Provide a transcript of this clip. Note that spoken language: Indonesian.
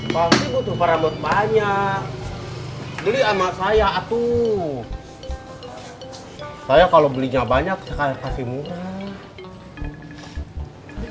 pasti butuh perabot banyak beli sama saya aduh saya kalau belinya banyak sekali murah